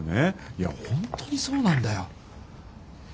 いや本当にそうなんだよ。